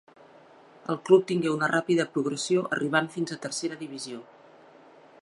El club tingué una ràpida progressió arribant fins a Tercera Divisió.